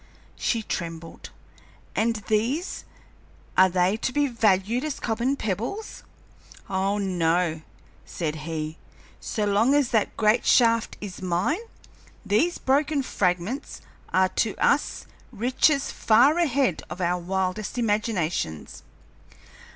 She trembled. "And these are they to be valued as common pebbles?" "Oh no," said he; "so long as that great shaft is mine, these broken fragments are to us riches far ahead of our wildest imaginations."